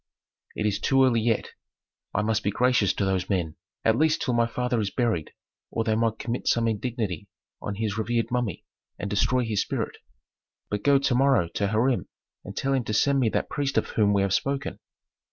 "It is too early yet. I must be gracious to those men, at least till my father is buried or they might commit some indignity on his revered mummy, and destroy his spirit. But go to morrow to Hiram and tell him to send me that priest of whom we have spoken."